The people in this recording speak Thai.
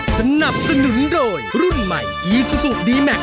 สามารถรับชมได้ทุกวัย